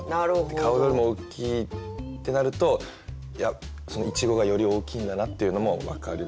顔よりも大きいってなるといちごがより大きいんだなっていうのも分かりますし。